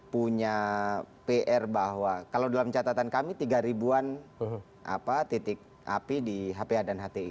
punya pr bahwa kalau dalam catatan kami tiga ribuan titik api di hpa dan hti